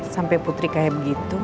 sampai putri kayak begitu